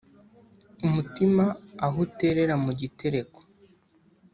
umutima aho uterera mu gitereko